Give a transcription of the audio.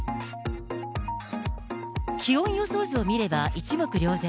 気温予想図を見れば一目瞭然。